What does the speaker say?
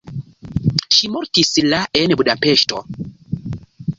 Ŝi mortis la en Budapeŝto.